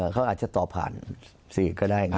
เขาอาจจะตอบผ่าน๔ก็ได้